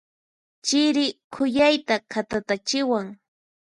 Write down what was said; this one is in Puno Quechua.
Chiri khuyayta khatatachiwan.